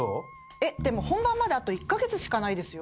えっでも本番まであと１か月しかないですよ。